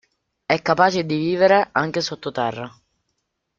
È capace di vivere anche sottoterra.